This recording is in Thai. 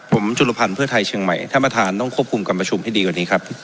ผมจุลภัณฑ์เพื่อไทยเชียงใหม่ท่านประธานต้องควบคุมการประชุมให้ดีกว่านี้ครับ